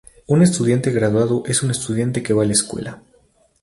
Un estudiante graduado es un estudiante que va a la escuela.